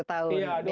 iya dua puluh tahun